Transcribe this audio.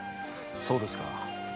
そうですか。